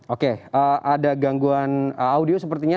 oke ada gangguan audio sepertinya